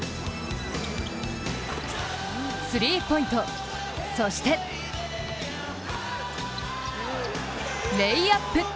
スリーポイント、そしてレイアップ。